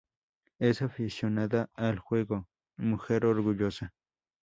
Es aficionada al juego, mujer orgullosa.